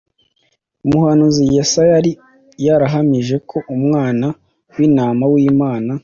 umuhanuzi Yesaya yari yarahamije ko Umwana w’intama w’Imana ”